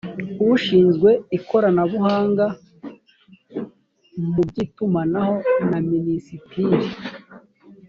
ushinzwe ikoranabuhanga mu by’itumanaho na minisitiri